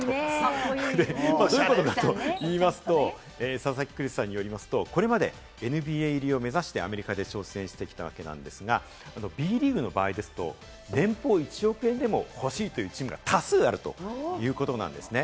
佐々木クリスさんによりますと、これまでＮＢＡ入りを目指してアメリカで挑戦してきたわけですが、Ｂリーグの場合ですと、年俸１億円でもほしいというチームが多数あるということなんですね。